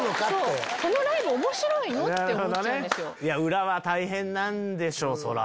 裏は大変なんでしょうそりゃ。